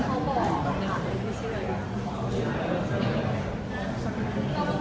แล้วก็คำที่เขาบอก